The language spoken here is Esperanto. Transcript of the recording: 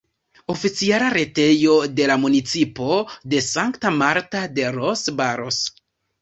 Oficiala retejo de la municipo de Santa Marta de los Barros.